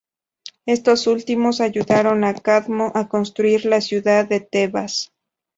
Estos últimos ayudaron a Cadmo a construir la ciudad de Tebas.